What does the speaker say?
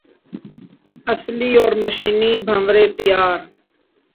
اصلی اور مشینی بھنورے تیار